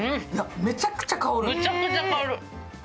めちゃくちゃ香る。